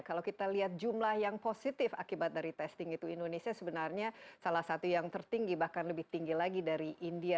kalau kita lihat jumlah yang positif akibat dari testing itu indonesia sebenarnya salah satu yang tertinggi bahkan lebih tinggi lagi dari india